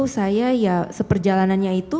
saya ya seperjalanannya itu